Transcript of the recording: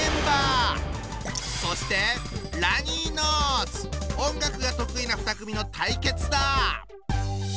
そして音楽が得意な２組の対決だ！